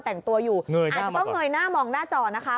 แต่งตัวอยู่เงยหน้ามาก่อนอาจจะต้องเงยหน้ามองหน้าจอนะคะ